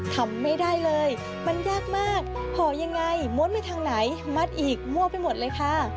ทำไม่ได้เลยมันยากมากห่อยังไงม้วนไปทางไหนมัดอีกมั่วไปหมดเลยค่ะ